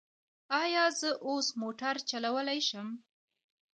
ایا زه اوس موټر چلولی شم؟